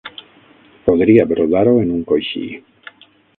Podria brodar-ho en un coixí.